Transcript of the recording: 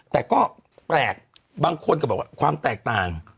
แต่ก็แปลกบางคนก็บอกว่าความแตกต่าง